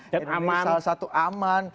ini salah satu aman